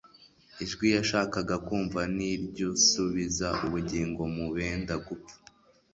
Ijwi yashakaga kumva n'iry'usubiza ubugingo mu benda gupfa.